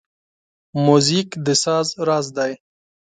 موزیک د ساز راز دی.